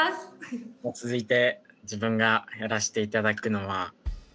続いて自分がやらしていただくのは。